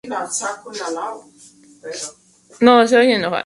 Me encanta la filosofía de vida de Liszt.